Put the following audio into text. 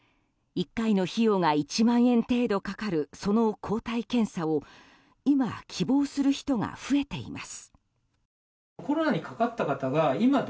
１回の費用が１万円程度かかるその抗体検査を今、希望する人が増えています。